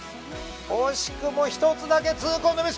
惜しくも１つだけ痛恨のミス。